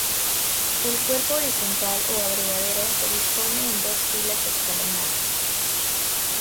El cuerpo horizontal o abrevadero se dispone en dos pilas escalonadas.